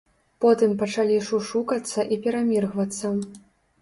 Потым пачалі шушукацца і пераміргвацца.